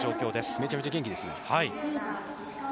めちゃめちゃ元気ですね。